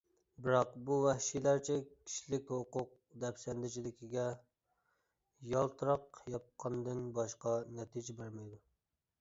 بىراق بۇ ۋەھشىيلەرچە كىشىلىك ھوقۇق دەپسەندىچىلىكىگە يالتىراق ياپقاندىن باشقا نەتىجە بەرمەيدۇ.